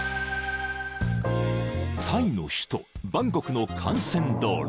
［タイの首都バンコクの幹線道路］